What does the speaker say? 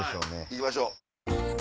行きましょう。